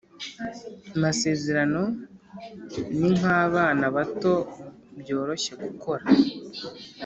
amasezerano ni nkabana bato byoroshye gukora,